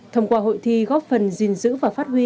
thông qua hội thi góp phần gìn giữ và phát huy